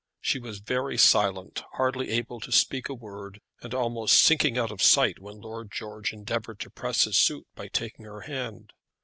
She was very silent, hardly able to speak a word, and almost sinking out of sight when Lord George endeavoured to press his suit by taking her hand.